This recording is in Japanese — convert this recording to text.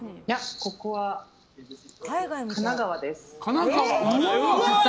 ここは神奈川です。